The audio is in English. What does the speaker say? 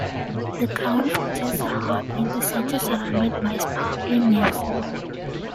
The crown features a heart in the center surrounded by sparkling waves.